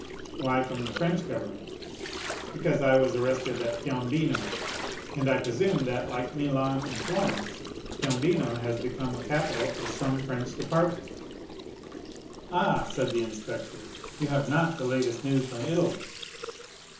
"Why from the French government?" "Because I was arrested at Piombino, and I presume that, like Milan and Florence, Piombino has become the capital of some French department." "Ah," said the inspector, "you have not the latest news from Italy?"